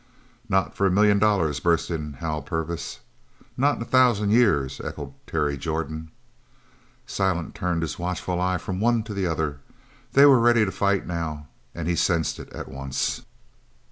"Not for a million dollars!" burst in Hal Purvis. "Not in a thousan' years!" echoed Terry Jordan. Silent turned his watchful eyes from one to the other. They were ready to fight now, and he sensed it at once.